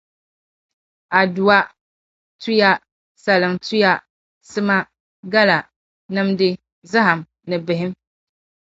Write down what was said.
Adua, tuya, salaŋtuya, sima, gala, nimdi, zahim ni bihim.